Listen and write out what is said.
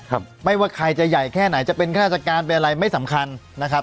ครับไม่ว่าใครจะใหญ่แค่ไหนจะเป็นข้าราชการเป็นอะไรไม่สำคัญนะครับ